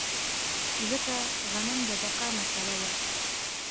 ځکه غنم د بقا مسئله ده.